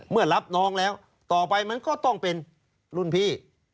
รับน้องแล้วต่อไปมันก็ต้องเป็นรุ่นพี่